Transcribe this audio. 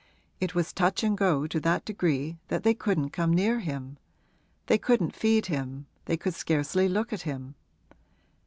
It was touch and go to that degree that they couldn't come near him, they couldn't feed him, they could scarcely look at him.